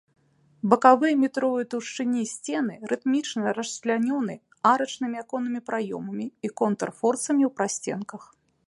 Бакавыя метровай таўшчыні сцены рытмічна расчлянёны арачнымі аконнымі праёмамі і контрфорсамі ў прасценках.